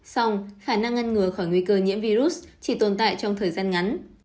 xong khả năng ngăn ngừa khỏi nguy cơ nhiễm virus chỉ tồn tại trong thời gian ngắn